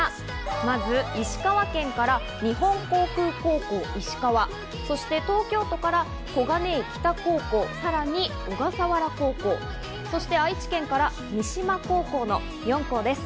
まず石川県から日本航空高校石川、そして東京都から小金井北高校、さらに小笠原高校、そして愛知県から三島高校の４校です。